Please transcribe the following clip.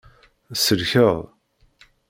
Tselkeḍ.